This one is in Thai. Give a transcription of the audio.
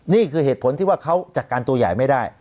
นี่คือเหตุผลที่ว่าเขาจัดการตัวใหญ่ไม่ได้